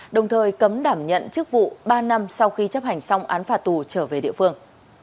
đồng thời cấm đảm nhận chức vụ ba năm sau khi chấp hành xong án phạt tù trở về địa phương